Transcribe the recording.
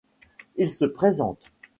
Il se présente.